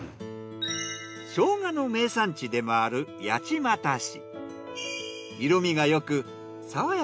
ショウガの名産地でもある八街市。